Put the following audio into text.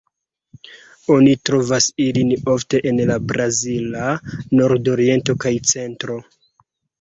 Oni trovas ilin ofte en la brazila nordoriento kaj centro.